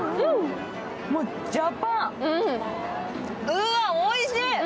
うわ、おいしい！